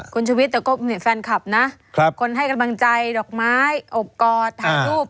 คุณชุวิตแต่ก็แฟนคลับนะคนให้กำลังใจดอกไม้อบกอดถ่ายรูป